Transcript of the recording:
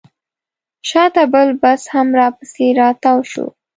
شاته بل بس هم راپسې راتاو شو.